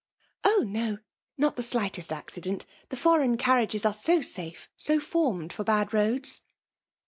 ^ Oh ! no ; not the slightest accident : the femgn caniages are so safe — so formed for bad roads.'